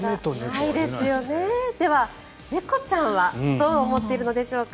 では、猫ちゃんはどう思っているのでしょうか。